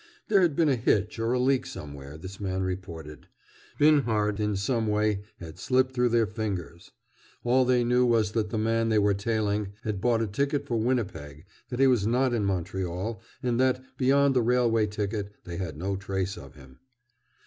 There had been a hitch or a leak somewhere, this man reported. Binhart, in some way, had slipped through their fingers. All they knew was that the man they were tailing had bought a ticket for Winnipeg, that he was not in Montreal, and that, beyond the railway ticket, they had no trace of him.